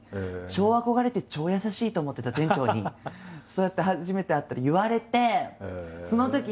超憧れて超優しいと思ってた店長にそうやって初めて会ったら言われて。